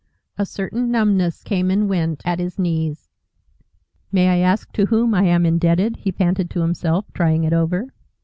A certain numbness came and went at his knees. "May I ask to whom I am indebted?" he panted to himself, trying it over.